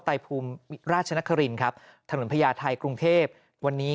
ไตภูมิราชนครินครับถนนพญาไทยกรุงเทพวันนี้